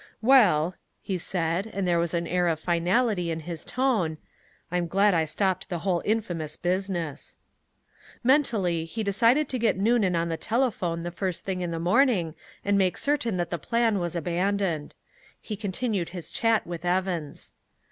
"Well," he said, and there was an air of finality in his tone, "I'm glad I stopped the whole infamous business." Mentally he decided to get Noonan on the telephone the first thing in the morning and make certain that the plan was abandoned. He continued his chat with Evans.